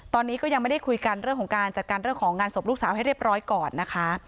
ตอนนี้ก็ยังไม่ได้คุยกันเรื่องของการจัดการเรื่องของงานศพลูกสาวให้เรียบร้อยก่อนนะคะ